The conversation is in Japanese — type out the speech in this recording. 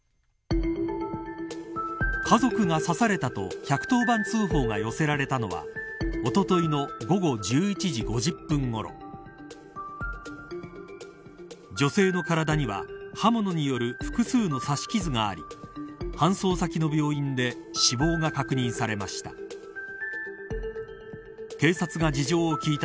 家族が刺されたと１１０番通報が寄せられたのはおとといの午後１１時５０分ごろ女性の体には刃物による複数の刺し傷があり搬送先の病院で死亡が確認されました。